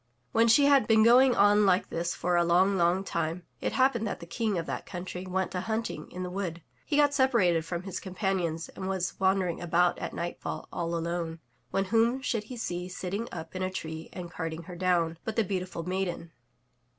When she had been going on like this for a long, long time, it happened that the King of that country went a hunting in the wood. He got separated from his companions and was wan dering about at nightfall all alone, when whom should he see sit ting up in a tree and carding her down, but the beautiful maiden.